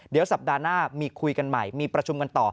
เดี๋ยวสัปดาห์หน้ามีคุยกันใหม่มีประชุมกันต่อ